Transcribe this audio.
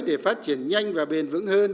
để phát triển nhanh và bền vững hơn